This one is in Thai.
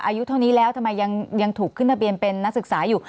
อายุเท่านี้แล้วทำไมยังถูกขึ้นทะเบียนเป็นนักศึกษาอยู่